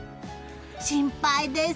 心配です。